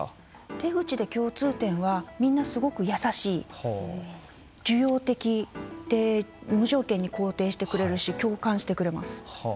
手口で共通点はみんなすごく優しい、受容的で無条件に肯定してくれるし共感してくれます。